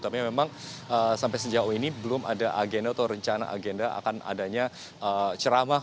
tapi memang sampai sejauh ini belum ada agenda atau rencana agenda akan adanya ceramah